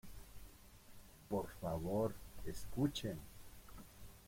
¡ por favor! ¡ escuchen !